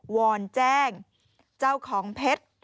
วอนแจ้งเจ้าของเพชร